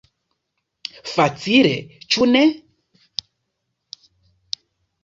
Facile, ĉu ne?